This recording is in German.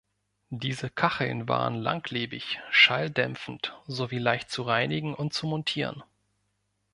Diese Kacheln waren langlebig, schalldämpfend sowie leicht zu reinigen und zu montieren.